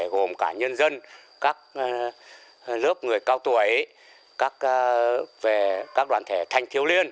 gồm cả nhân dân các lớp người cao tuổi các đoàn thể thành thiếu liên